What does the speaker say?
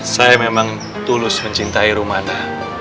saya memang tulus mencintai rumana